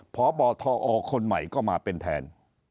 พบทอคนใหม่ก็มาเป็นแทน